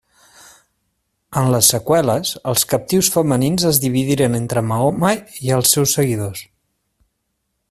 En les seqüeles, els captius femenins es dividiren entre Mahoma i els seus seguidors.